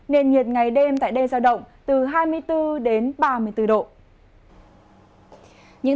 nên nhiệt ngày đêm tại đê giao động